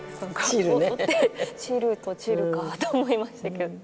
「散る」と「チル」かと思いましたけど。